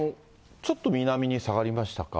ちょっと南に下がりましたか。